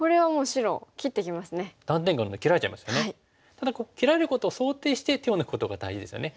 ただここ切られることを想定して手を抜くことが大事ですよね。